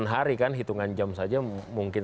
delapan hari kan hitungan jam saja mungkin